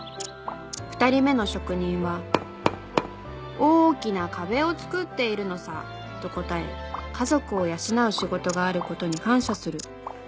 ２人目の職人は「大きな壁をつくっているのさ」と答え家族を養う仕事があることに感謝する。